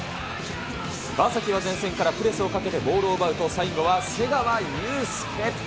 川崎は前線からプレスをかけてボールを奪うと、最後は瀬川祐輔。